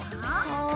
はい。